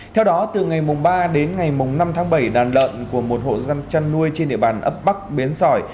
theo đó từ ngày ba đến ngày năm tháng bảy đàn lợn của một hộ dân chăn nuôi trên địa bàn ấp bắc bến sỏi